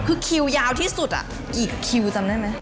คือคิวยาวที่สุดอ่ะอีกคิวจำได้มั้ย